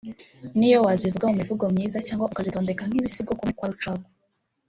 n’iyo wazivuga mu mivugo myiza cyangwa ukazitondeka nk’ibisingizo kumwe kwa Rucagu